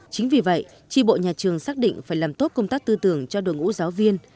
chính vì vậy tri bộ nhà trường xác định phải làm tốt công tác tư tưởng cho đội ngũ giáo viên